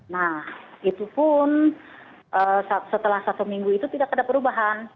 nah itu pun setelah satu minggu itu tidak ada perubahan